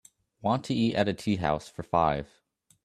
want to eat at a tea house for five